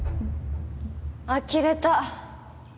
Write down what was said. あきれた